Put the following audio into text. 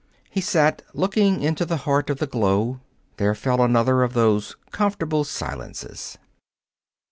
He sat looking into the heart of the glow. There fell another of those comfortable silences.